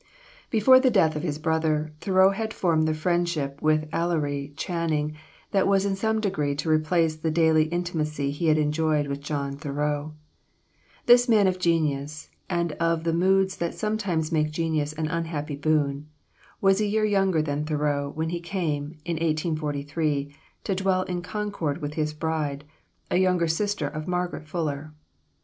Before the death of his brother, Thoreau had formed the friendship with Ellery Channing, that was in some degree to replace the daily intimacy he had enjoyed with John Thoreau. This man of genius, and of the moods that sometimes make genius an unhappy boon, was a year younger than Thoreau when he came, in 1843, to dwell in Concord with his bride, a younger sister of Margaret Fuller.